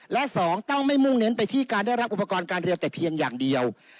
และ๒ต้องไม่มุ่งเน้นไปที่การได้รับอุปกรณ์การเรียนแต่เพียงอย่างเดียว